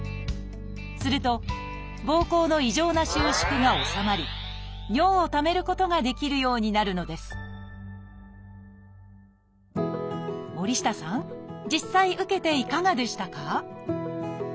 するとぼうこうの異常な収縮が治まり尿をためることができるようになるのです森下さん実際受けていかがでしたか？